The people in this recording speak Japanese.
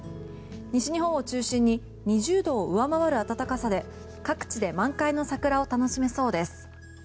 西日本を中心に２０度を上回る暖かさで各地で満開の桜を楽しめそうです。